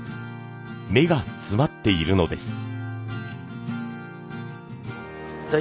目が詰まっているのです。